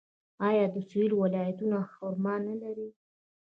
آیا د سویل ولایتونه خرما نلري؟